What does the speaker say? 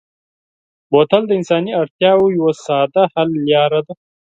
بوتل د انساني اړتیا یوه ساده حل لاره ده.